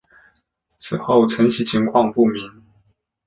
此后承袭情况不明。